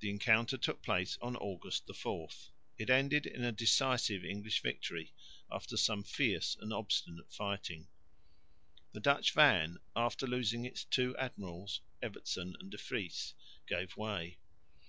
The encounter took place on August 4. It ended in a decisive English victory after some fierce and obstinate fighting. The Dutch van, after losing its two admirals, Evertsen and De Vries, gave way.